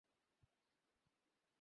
সেই কারণেই আমি এফআইআর দায়ের করেছি।